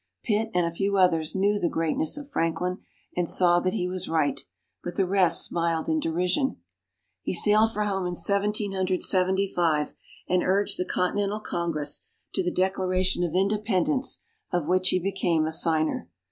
Pitt and a few others knew the greatness of Franklin, and saw that he was right, but the rest smiled in derision. He sailed for home in Seventeen Hundred Seventy five, and urged the Continental Congress to the Declaration of Independence, of which he became a signer.